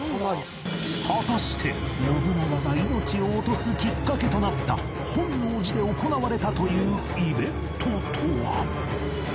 果たして信長が命を落とすきっかけとなった本能寺で行われたというイベントとは？